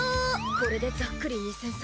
これでざっくり２，０００歳。